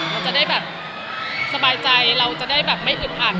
มันจะได้แบบสบายใจเราจะได้แบบไม่อึดอัด